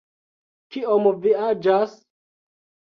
Kiom vi aĝas?